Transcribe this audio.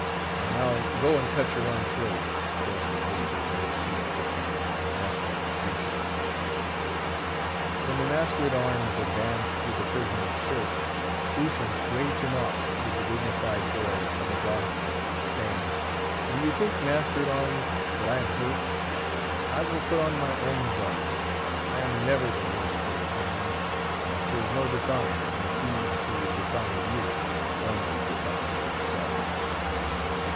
"And now go and cut your own throat," hoarsely whispered an old sheet anchor man, a mess mate of Ushant's. When the master at arms advanced with the prisoner's shirt, Ushant waved him off with the dignified air of a Brahim, saying, "Do you think, master at arms, that I am hurt? I will put on my own garment. I am never the worse for it, man; and 'tis no dishonour when he who would dishonour you, only dishonours himself."